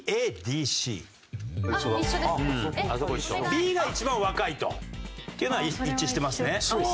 Ｂが一番若いと。っていうのは一致してますね。